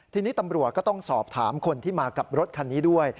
ทีนี้ตำรวจก็ต้องสอบถามคนที่มากับรถคันนี้ด้วย